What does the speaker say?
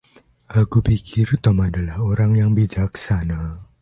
Aku pikir Tom adalah orang yang bijaksana.